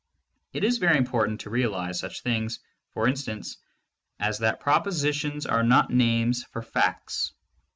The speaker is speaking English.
It is very important to realize such things, for instance, as that propositions are not names for facts.